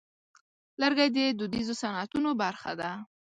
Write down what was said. لرګی د دودیزو صنعتونو برخه ده.